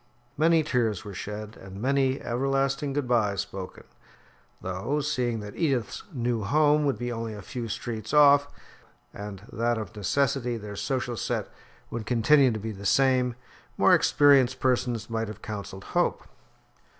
Many tears were shed, and many everlasting good byes spoken, though, seeing that Edith's new home would be only a few streets off, and that of necessity their social set would continue to be the same, more experienced persons might have counselled hope.